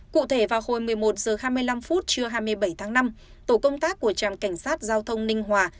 cụ thể vào hồi một mươi một h hai mươi năm trưa hai mươi bảy tháng năm tổ công tác của trạm cảnh sát giao thông ninh hòa